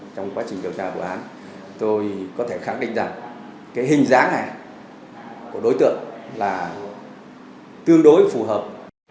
trong quá trình điều tra vụ án tôi có thể khẳng định rằng cái hình dáng này của đối tượng là tương đối phù hợp